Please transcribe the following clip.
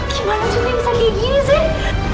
gimana jadi bisa gini gini sih